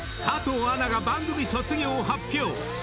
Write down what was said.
加藤アナが番組卒業を発表。